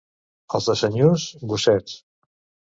Els de Senyús, gossets.